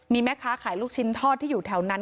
มีแม่ค้าขายลูกชิ้นทอดที่อยู่แถวนั้น